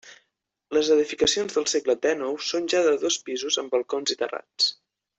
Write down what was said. Les edificacions del segle dènou són ja de dos pisos amb balcons i terrats.